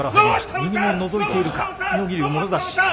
右をのぞいているか、妙義龍、もろ差し。